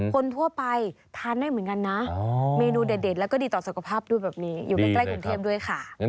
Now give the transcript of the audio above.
คนทั่วไปทานได้เหมือนกันนะเมนูเด็ดแล้วก็ดีต่อสุขภาพด้วยแบบนี้อยู่ใกล้กรุงเทพด้วยค่ะ